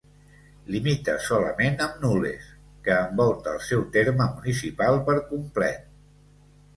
Limita solament amb Nules, que envolta el seu terme municipal per complet.